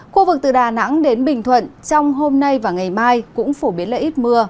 khu vực từ đà nẵng đến bình thuận trong hôm nay và ngày mai cũng phổ biến là ít mưa